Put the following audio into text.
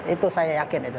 itu saya yakin itu